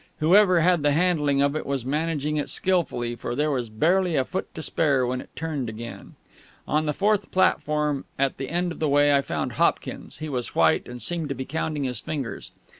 Whoever had the handling of it was managing it skilfully, for there was barely a foot to spare when it turned again. On the fourth platform, at the end of the way, I found Hopkins. He was white, and seemed to be counting on his fingers.